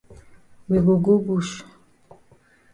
We go go bush.